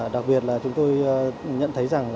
đặc biệt là chúng tôi nhận thấy rằng